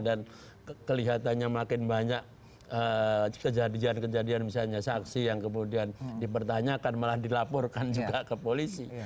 dan kelihatannya makin banyak kejadian kejadian misalnya saksi yang kemudian dipertanyakan malah dilaporkan juga ke polisi